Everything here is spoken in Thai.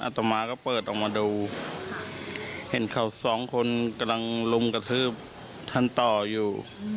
ต่อมาก็เปิดออกมาดูเห็นเขาสองคนกำลังลุมกระทืบท่านต่ออยู่